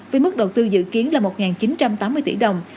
với mức đầu tư dự kiến là một chín trăm tám mươi tỷ đồng